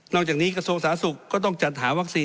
จากนี้กระทรวงสาธารณสุขก็ต้องจัดหาวัคซีน